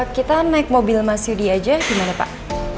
kita naik mobil mas yudi aja gimana pak